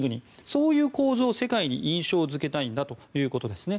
そういう構造を世界に印象付けたいということです。